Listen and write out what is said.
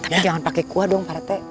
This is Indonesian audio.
tapi jangan pakai kuah dong pak rete